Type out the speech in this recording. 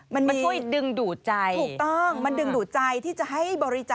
มันช่วยดึงดูดใจ